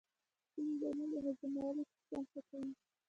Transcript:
ځینې درمل د هضمولو سیستم ښه کوي.